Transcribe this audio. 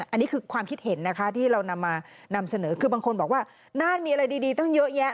อันนี้คือความคิดเห็นนะคะที่เรานำมานำเสนอคือบางคนบอกว่าน่านมีอะไรดีตั้งเยอะแยะ